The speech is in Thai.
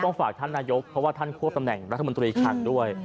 ฝากท่านนายกเพราะว่าท่านควบตำแหน่งรัฐมนตรีคลังด้วย